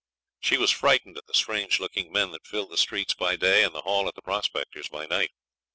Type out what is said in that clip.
She was frightened at the strange looking men that filled the streets by day and the hall at the Prospectors' by night.